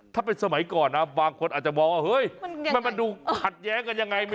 ถ้าเป็นสมัยก่อนนะบางคนอาจจะมองว่าเฮ้ยมันดูขัดแย้งกันยังไง